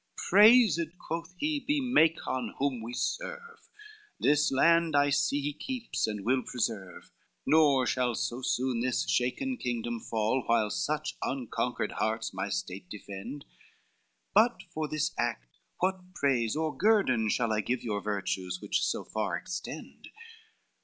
"Praised," quoth he, "be Macon whom we serve, This land I see he keeps and will preserve: XI "Nor shall so soon this shaken kingdom fall, While such unconquered hearts my state defend: But for this act what praise or guerdon shall I give your virtues, which so far extend?